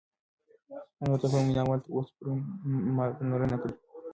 او نه ورته کوم وینا وال تر اوسه پوره پاملرنه کړې،